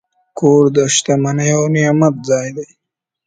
کور د شتمنۍ او نعمت ځای دی.